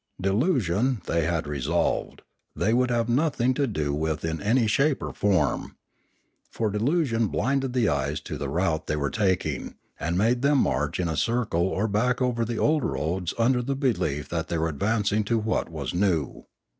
Delusion, they had re solved, they would have nothing to do with in any shape or form. For delusion blinded the eyes to the route they were taking, and made them march in a circle or back over the old roads under the belief that they were advancing to what was new.